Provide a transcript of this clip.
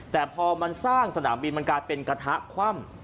แต่พอมันสร้างสนามบินมันกลายเป็นกระทะคว่ำ